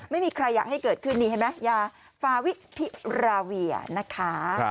ไม่มีใครอยากให้เกิดขึ้นนี่เห็นไหมยาฟาวิพิราเวียนะคะ